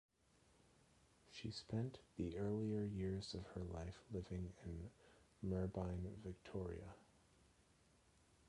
She spent the earlier years of her life living in Merbein, Victoria.